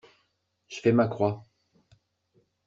J'fais ma croix.